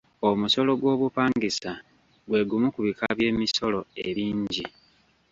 Omusolo gw'obupangisa gwe gumu ku bika by'emisolo ebingi.